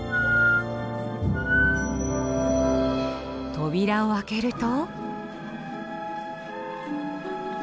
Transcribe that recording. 扉を開けると。